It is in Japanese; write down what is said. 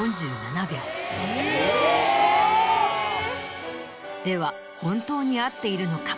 えぇ！では本当に合っているのか？